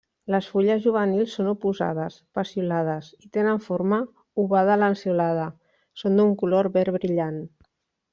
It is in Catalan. Les fulles juvenils són oposades, peciolades i tenen forma ovada-lanceolada, són d'un color verd brillant.